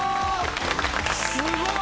すごい！